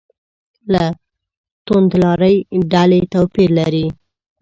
له توندلارې ډلې توپیر لري.